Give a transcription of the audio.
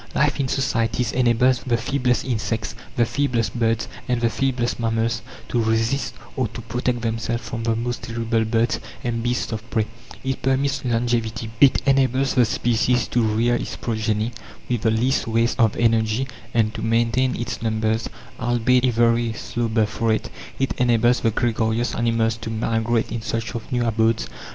Life in societies enables the feeblest insects, the feeblest birds, and the feeblest mammals to resist, or to protect themselves from, the most terrible birds and beasts of prey; it permits longevity; it enables the species to rear its progeny with the least waste of energy and to maintain its numbers albeit a very slow birth rate; it enables the gregarious animals to migrate in search of new abodes.